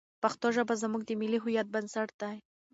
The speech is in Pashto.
پښتو ژبه زموږ د ملي هویت بنسټ دی.